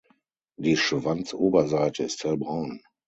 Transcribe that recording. Die Schwanzoberseite ist hellbraun.